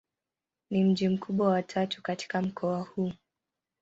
Ni mji mkubwa wa tatu katika mkoa huu.